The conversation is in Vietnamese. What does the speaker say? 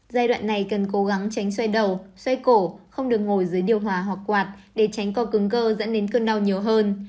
giai đoạn này cần cố gắng tránh xoay đầu xoay cổ không được ngồi dưới điều hòa hoặc quạt để tránh co cứng cơ dẫn đến cơn đau nhiều hơn